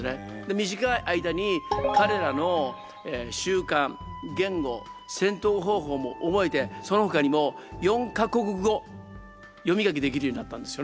短い間に彼らの習慣言語戦闘方法も覚えてそのほかにも４か国語読み書きできるようになったんですよね。